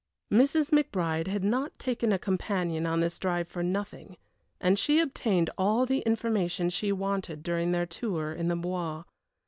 Mrs. McBride had not taken a companion on this drive for nothing, and she obtained all the information she wanted during their tour in the Bois.